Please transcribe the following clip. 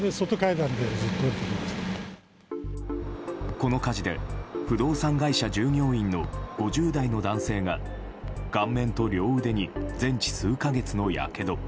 この火事で不動産会社従業員の５０代の男性が顔面と両腕に全治数か月のやけど。